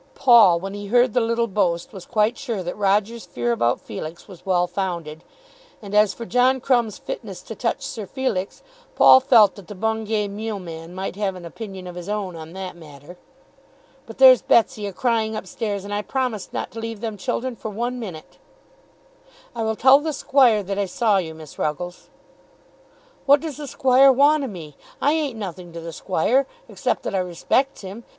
Paul when he heard the little boast was quite sure that Roger's fear about Felix was well founded. And as for John Crumb's fitness to touch Sir Felix, Paul felt that the Bungay mealman might have an opinion of his own on that matter. "But there's Betsy a crying up stairs, and I promised not to leave them children for one minute." "I will tell the Squire that I saw you, Miss Ruggles." "What does the Squire want o' me? I ain't nothing to the Squire, except that I respects him.